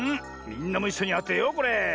みんなもいっしょにあてようこれ。